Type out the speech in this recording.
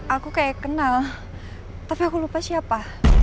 aku kayak kenal tapi aku lupa siapa